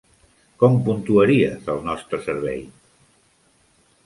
Com puntuaries el nostre servei?